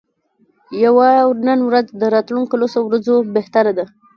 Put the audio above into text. یوه نن ورځ د راتلونکو لسو ورځو بهتره ده.